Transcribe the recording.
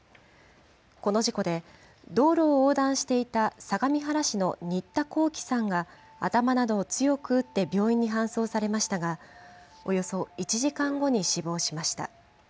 この事故で、道路を横断していた相模原市の新田皓輝さんが頭などを強く打って病院に搬送されましたが、およそ１時間後に死亡しました。